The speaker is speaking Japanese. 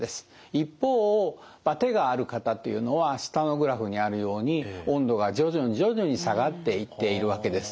一方バテがある方っていうのは下のグラフにあるように温度が徐々に徐々に下がっていっているわけです。